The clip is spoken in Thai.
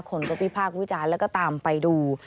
คนก็วิพากษ์วิจารณ์แล้วก็ตามไปดู